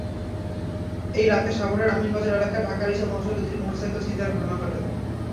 একই রাতে সাভারের আমিনবাজার এলাকায় ঢাকা-আরিচা মহাসড়কে দুটি মোটরসাইকেল ছিনতাইয়ের ঘটনা ঘটে।